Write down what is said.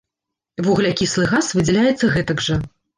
Вуглякіслы газ выдзяляецца гэтак жа.